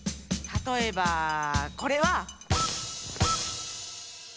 たとえばこれは。